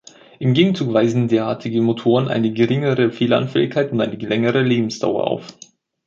Im Gegenzug weisen derartige Motoren eine geringere Fehleranfälligkeit und eine längere Lebensdauer auf.